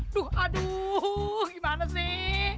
aduh aduh gimana sih